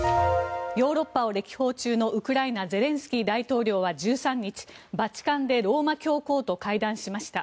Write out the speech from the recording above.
ヨーロッパを歴訪中のウクライナゼレンスキー大統領は１３日、バチカンでローマ教皇と会談しました。